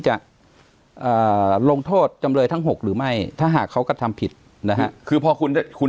จะลงโทษจำเลยทั้ง๖หรือไม่ถ้าหากเขากระทำผิดนะฮะคือพอคุณคุณ